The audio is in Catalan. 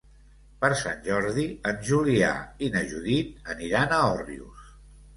Per Sant Jordi en Julià i na Judit aniran a Òrrius.